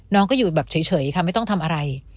น้องก็อยู่แบบเฉยค่ะไม่ต้องทำอะไร